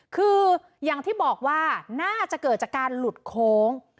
คืออย่างที่บอกว่าน่าจะเกิดจากการหลุดโค้ง